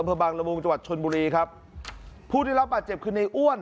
อัมพบังระมุงจัวร์วัดชนบุรีครับผู้ที่รับอาจเจ็บคือในอ้วน